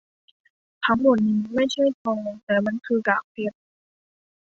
ทั้งหมดนี้ไม่ใช่ทองแต่มันคือกากเพชร